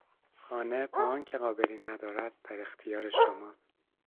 خانه با آنکه قابلی ندارد در اختیار شماست.